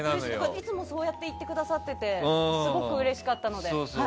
いつもそう言ってくださってすごくうれしかったので。